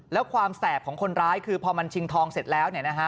แล้วความแสบของคนร้ายคือพอมันชิงทองเสร็จแล้ว